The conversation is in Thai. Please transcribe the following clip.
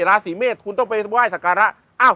ราศีเมฆคุณต้องไปว่ายศักระ